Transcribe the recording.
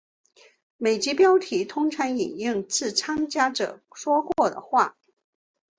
每集标题通常引用自参加者说过的话。